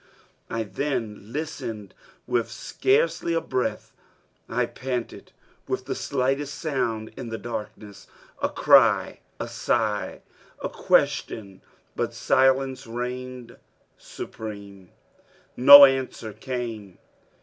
I then listened with scarcely a breath; I panted for the slightest sound in the darkness a cry, a sigh, a question! But silence reigned supreme. No answer came!